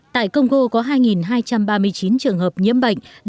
tại congo có hai hai trăm ba mươi chín trường hợp nhiễm bệnh